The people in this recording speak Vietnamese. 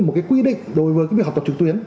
một cái quy định đối với cái việc học tập trực tuyến